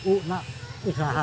u enak usaha